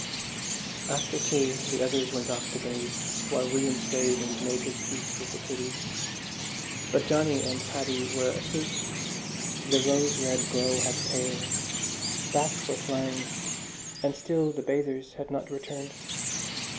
After tea the others went off to bathe, while William stayed and made his peace with the kiddies. But Johnny and Paddy were asleep, the rose red glow had paled, bats were flying, and still the bathers had not returned.